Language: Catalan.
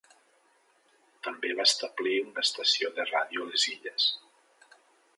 També va establir una estació de ràdio a les illes.